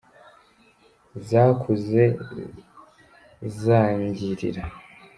Zakuze zangirira.